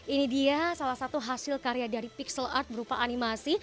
ini dia salah satu hasil karya dari pixel art berupa animasi